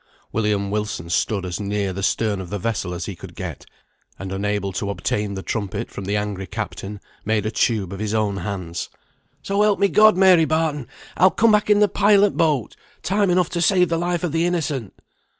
William Wilson stood as near the stern of the vessel as he could get; and unable to obtain the trumpet from the angry captain, made a tube of his own hands. "So help me God, Mary Barton, I'll come back in the pilot boat, time enough to save the life of the innocent."